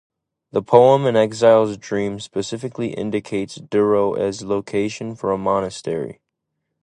The poem 'An Exile's Dream' specifically indicates Durrow as location for a monastery.